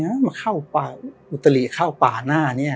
เหมือนเข้าป่ะอุตตาหรี่เข้าป่าหน้านี่